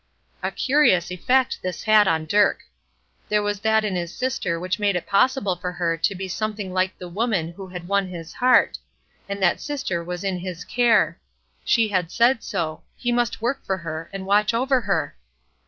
A curious effect this had on Dirk. There was that in his sister which made it possible for her to be something like the woman who had won his heart; and that sister was in his care: she had said so; he must work for her, and watch over her!